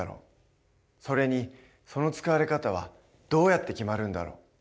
それにその使われ方はどうやって決まるんだろう？